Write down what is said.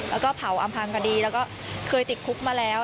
แล้วก็เผาอำพังคดีแล้วก็เคยติดคุกมาแล้ว